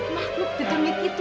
makhluk di temit itu